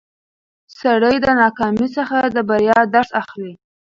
سړی د ناکامۍ څخه د بریا درس اخلي